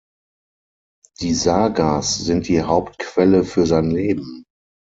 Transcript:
Die Sagas sind die Hauptquelle für sein Leben.